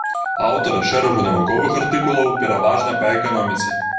Аўтар шэрагу навуковых артыкулаў, пераважна па эканоміцы.